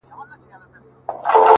لکه زما زړه!! يو داسې بله هم سته!!